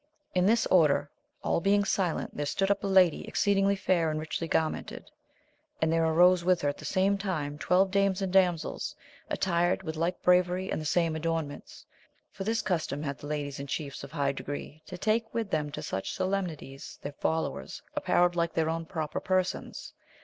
In this order, all being silent, there stood up a lady, exceeding fair, and richly garmented ; and there arose with her at the same time twelve dames and damsels, attired with like bravery and the same adornments ; for this custom had the ladies and chiefs of high degree to take with them to such solemnities their followers, apparelled like their own proper persons.